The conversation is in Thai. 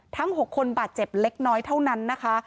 ทั้ง๖คนบาดเจ็บเล็กน้อยเท่านั้นนะคะ